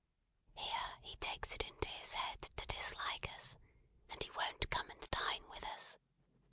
Here, he takes it into his head to dislike us, and he won't come and dine with us.